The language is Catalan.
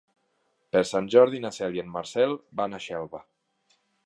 Per Sant Jordi na Cel i en Marcel van a Xelva.